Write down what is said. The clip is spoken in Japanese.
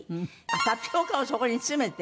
タピオカをそこに詰めて？